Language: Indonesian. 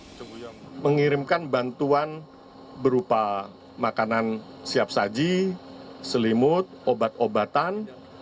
tni angkatan udara mengirimkan bantuan berupa makanan siap saji selimut obat obatan